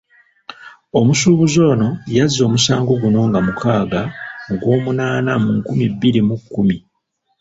Omusuubuzi ono yazza omusango guno nga mukaaga mu Gwomunaana mu nkumi bbiri mu kkumi.